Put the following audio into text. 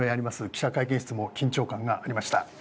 記者会見室も緊張感がありました。